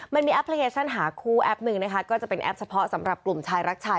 แอปพลิเคชันหาคู่แอปหนึ่งนะคะก็จะเป็นแอปเฉพาะสำหรับกลุ่มชายรักชาย